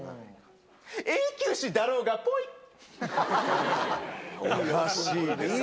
永久歯だろうが、ぽい。